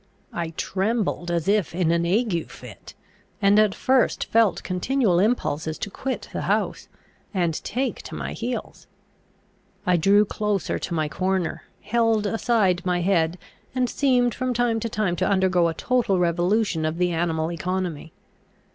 I trembled as if in an ague fit; and, at first, felt continual impulses to quit the house, and take to my heels. I drew closer to my corner, held aside my head, and seemed from time to time to undergo a total revolution of the animal economy.